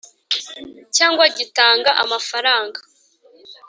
cyangwa gitanga amafaranga